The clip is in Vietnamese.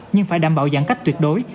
nhưng phải đảm bảo giãn cách tuyệt đối